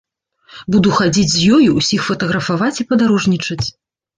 Буду хадзіць з ёю, усіх фатаграфаваць і падарожнічаць.